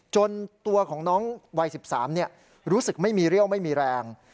จนตัวของน้องวัย๑๓เนี่ยรู้สึกไม่มีเร่าไม่มีแรง